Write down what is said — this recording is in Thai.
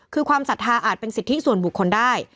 คือความศรัทธาอาจเป็นสิทธิส่วนบุคคลได้